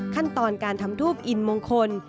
ขั้นตอนการทำทูปอินมงคล